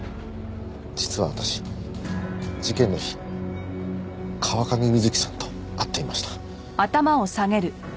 実は私事件の日川上美月さんと会っていました。